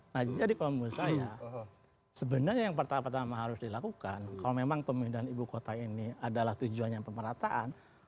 nah jadi kalau menurut saya sebenarnya yang pertama tama harus dilakukan kalau memang pemindahan ibu kota ini adalah tujuannya pemerataan